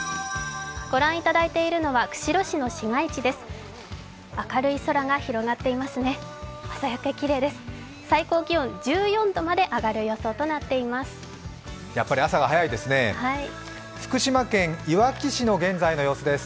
御覧いただいているのは釧路市の市街地です。